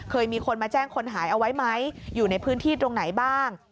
เคยมีคนมาแจ้งคนหายเอาไว้ไหมอยู่ในพื้นที่ตรงไหนบ้าง